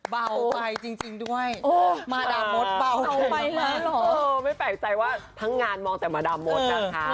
เบาไปจริงจริงด้วยโอ้มาด่าหมดเบาไปเอาไปแล้วหรอเออไม่แปลกใจว่าทั้งงานมองแต่มาด่าหมดนะค่ะ